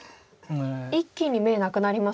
一気に眼なくなりますね。